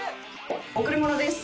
贈り物です！